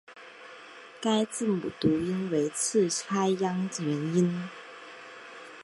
该字母读音为次开央元音。